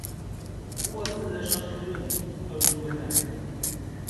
بوەستن لە شەڕکردن، ئەو دووەتان!